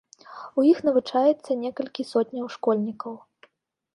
У іх навучаецца некалькі сотняў школьнікаў.